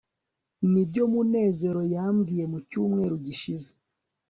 nibyo munezero yambwiye mu cyumweru gishize